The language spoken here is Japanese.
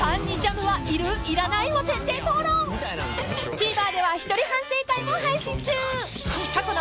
［ＴＶｅｒでは一人反省会も配信中］